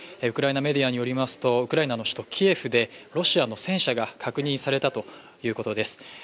ウクライナメディアによりますと、ウクライナの首都キエフでロシアの戦車が確認されたということです。